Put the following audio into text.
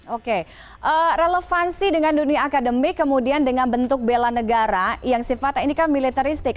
oke relevansi dengan dunia akademik kemudian dengan bentuk bela negara yang sifatnya ini kan militeristik